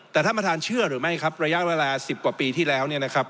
แต่ถ้ามันทานเชื่อหรือไม่ครับระยะแรก๑๐กว่าปีที่แล้ว